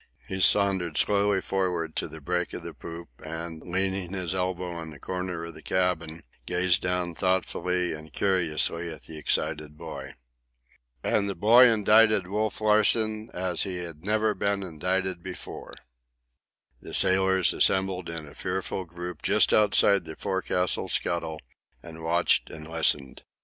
He sauntered slowly forward to the break of the poop, and, leaning his elbow on the corner of the cabin, gazed down thoughtfully and curiously at the excited boy. And the boy indicted Wolf Larsen as he had never been indicted before. The sailors assembled in a fearful group just outside the forecastle scuttle and watched and listened.